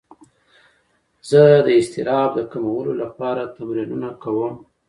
زه د اضطراب د کمولو لپاره تمرینونه کوم.